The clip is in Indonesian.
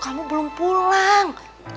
kamu belum pulang